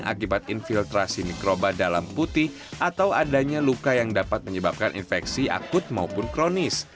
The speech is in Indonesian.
akibat infiltrasi mikroba dalam putih atau adanya luka yang dapat menyebabkan infeksi akut maupun kronis